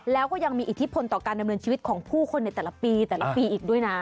แล้วก็ยังมีอิทธิพลต่อการดำเนินชีวิตของผู้คนในแต่ละปีแต่ละปีอีกด้วยนะ